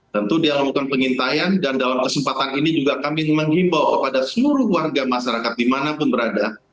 tentu dia melakukan pengintaian dan dalam kesempatan ini juga kami menghimbau kepada seluruh warga masyarakat dimanapun berada